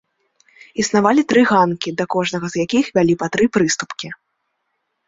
Існавалі тры ганкі, да кожнага з якіх вялі па тры прыступкі.